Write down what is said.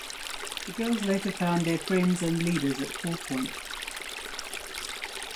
The girls later find their friends and leaders at Four Point.